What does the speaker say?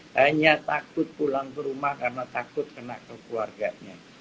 hanya takut pulang ke rumah karena takut kena ke keluarganya